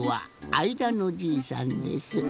あいだのじいさんです。